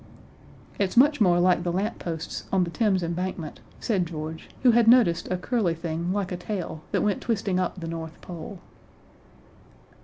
"It's much more like the lampposts on the Thames Embankment," said George, who had noticed a curly thing like a tail that went twisting up the North Pole.